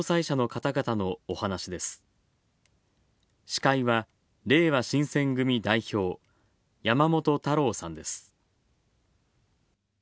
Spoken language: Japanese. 司会は、れいわ新選組代表山本太郎さんです。